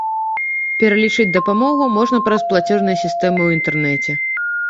Пералічыць дапамогу можна праз плацежныя сістэмы ў інтэрнэце.